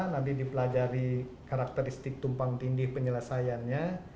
nanti dipelajari karakteristik tumpang tinggi penyelesaiannya